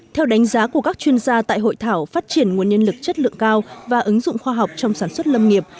theo đánh giá của các chuyên gia tại hội thảo phát triển nguồn nhân lực chất lượng cao và ứng dụng khoa học trong sản xuất lâm nghiệp